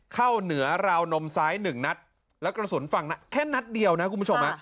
เหนือราวนมซ้ายหนึ่งนัดแล้วกระสุนฝั่งแค่นัดเดียวนะคุณผู้ชม